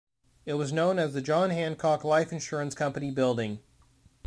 It was known as the John Hancock Life Insurance Company Building.